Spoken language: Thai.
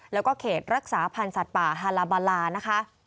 แล้วก็เขตรักษาพันธ์สัตว์ป่าฮาลาบาลานะคะ